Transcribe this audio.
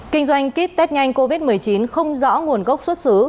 kinh doanh kít tét nhanh covid một mươi chín không rõ nguồn gốc xuất xứ